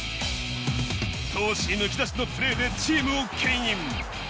闘志むき出しのプレーでチームをけん引。